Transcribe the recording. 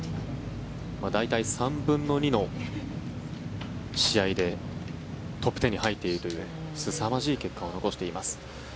大体３分の２の試合でトップ１０に入っているというすさまじい結果を残しています。